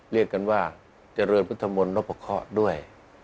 เรียกกันว่าเจริญพุทธมนต์นพเคาะด้วย